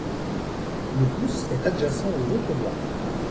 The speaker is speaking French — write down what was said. Le pouce est adjacent aux autres doigts.